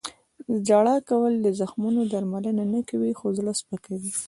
• ژړا کول د زخمونو درملنه نه کوي، خو زړه سپکوي.